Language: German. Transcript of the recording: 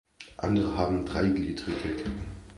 Andere haben dreigliedrige Ketten.